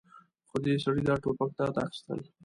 خو دې سړي دا ټوپک تاته اخيستل.